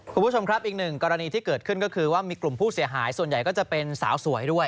คุณผู้ชมครับอีกหนึ่งกรณีที่เกิดขึ้นก็คือว่ามีกลุ่มผู้เสียหายส่วนใหญ่ก็จะเป็นสาวสวยด้วย